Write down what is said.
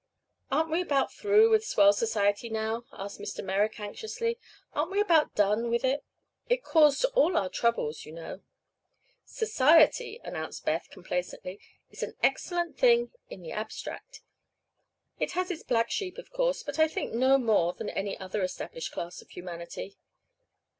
"Aren't we about through with swell society now?" asked Mr. Merrick, anxiously. "Aren't we about done with it? It caused all our troubles, you know." "Society," announced Beth, complacently, "is an excellent thing in the abstract. It has its black sheep, of course; but I think no more than any other established class of humanity."